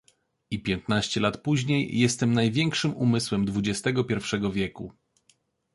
I piętnaście lat później jestem największym umysłem dwudziestego pierwszego wieku.